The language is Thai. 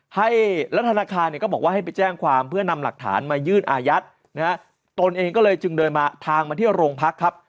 ให้รัฐธนาคารเนี่ยก็บอกว่าให้ไปแจ้งความเพื่อนำหลักฐานมายื่นอายัดนะฮะตนเองก็เลยจึงเดินมาทางมาเที่ยวโรงพักครับ